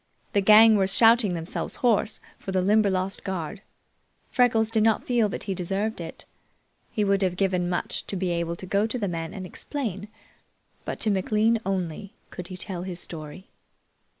The gang were shouting themselves hoarse for the Limberlost guard. Freckles did not feel that he deserved it. He would have given much to be able to go to the men and explain, but to McLean only could he tell his story.